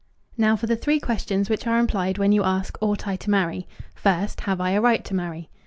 Now for the three questions which are implied when you ask, "Ought I to marry?" First, "Have I a right to marry?"